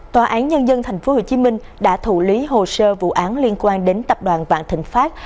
tòa án nhân dân tp hcm đã thủ lý hồ sơ vụ án liên quan đến tập đoàn vạn thịnh pháp